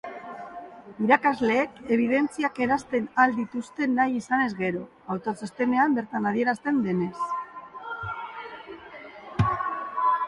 Irakasleek ebidentziak eransten ahal dituzte nahi izanez gero, autotxostenean bertan adierazten denez.